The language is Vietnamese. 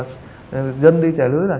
thường thường thì theo cái quy luật là